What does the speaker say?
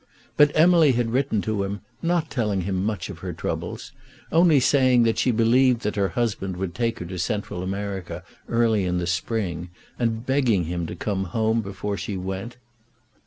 But Emily had written to him, not telling him much of her troubles, only saying that she believed that her husband would take her to Central America early in the spring, and begging him to come home before she went.